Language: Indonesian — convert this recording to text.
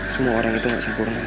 semua orang itu gak sempurna seraf